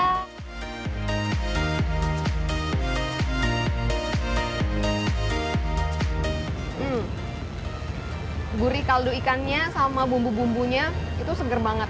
hmm gurih kaldu ikannya sama bumbu bumbunya itu seger banget